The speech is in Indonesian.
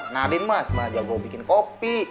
nadine mah cuma ajak gue bikin kopi